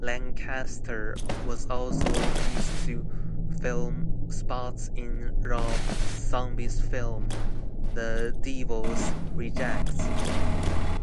Lancaster was also used to film spots in Rob Zombie's film, "The Devils Rejects".